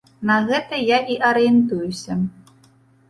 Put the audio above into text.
На гэта я і арыентуюся.